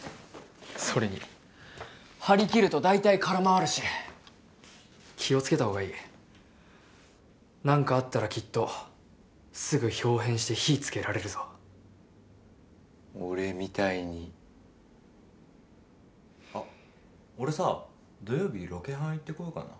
それに張りきると大体から回るし気をつけたほうがいい何かあったらきっとすぐ豹変して火つけられるぞ俺みたいにあっ俺さ土曜日ロケハン行ってこようかな